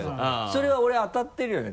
それは俺当たってるよね？